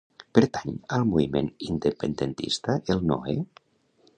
Pertany al moviment independentista el Noe?